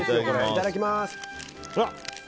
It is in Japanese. いただきます。